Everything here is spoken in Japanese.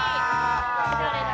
「おしゃれだ」